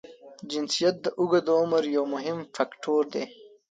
جنسیت د اوږد عمر یو مهم فاکټور دی.